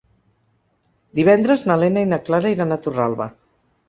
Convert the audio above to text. Divendres na Lena i na Clara iran a Torralba.